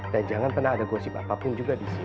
dan jangan pernah ada gosip apapun juga di sini